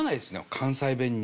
関西弁に。